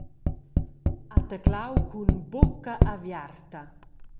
Ha tedlau cun bucca aviarta.